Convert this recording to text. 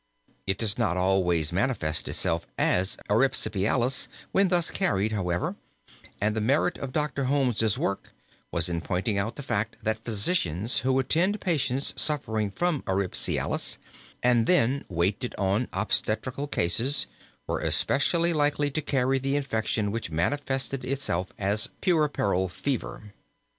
It does not always manifest itself as erysipelas when thus carried, however, and the merit of Dr. Holmes' work was in pointing out the fact that physicians who attended patients suffering from erysipelas and then waited on obstetrical cases, were especially likely to carry the infection which manifested itself as puerperal fever.